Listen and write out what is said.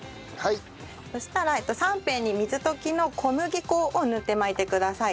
そしたら３辺に水溶きの小麦粉を塗って巻いてください。